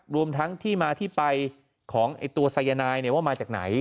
รวมทั้งที่มาที่ไปของตัวสายนายว่ามาจากไหน